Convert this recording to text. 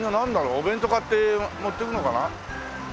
お弁当買って持っていくのかな。